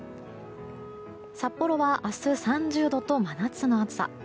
札幌は明日３０度と真夏の暑さ。